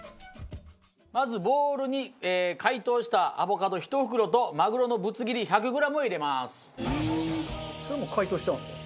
まずボウルに解凍したアボカド１袋とマグロのぶつ切り１００グラムを入れます。